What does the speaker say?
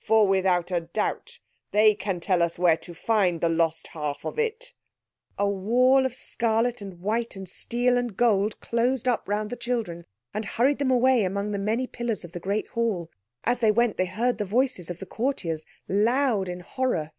For without doubt they can tell us where to find the lost half of It." A wall of scarlet and white and steel and gold closed up round the children and hurried them away among the many pillars of the great hall. As they went they heard the voices of the courtiers loud in horror.